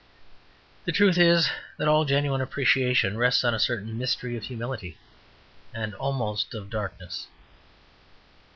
The truth is, that all genuine appreciation rests on a certain mystery of humility and almost of darkness.